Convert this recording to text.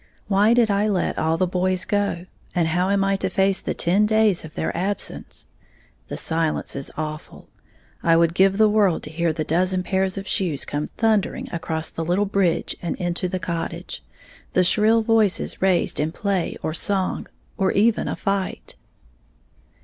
Why did I let all the boys go? And how am I to face the ten days of their absence? The silence is awful. I would give the world to hear the dozen pairs of shoes come thundering across the little bridge and into the cottage, the shrill voices raised in play or song or even a fight!